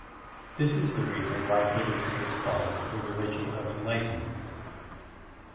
This is the reason why Buddhism is called the religion of enlightenment.